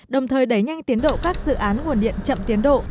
đồng thời đẩy nhanh tiến độ các dự án nguồn điện chậm tiến độ